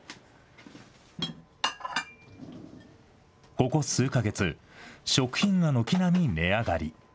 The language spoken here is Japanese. ここ数か月、食品が軒並み値上がり。